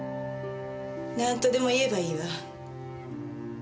なんとでも言えばいいわ。